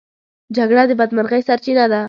جګړه د بدمرغۍ سرچينه ده.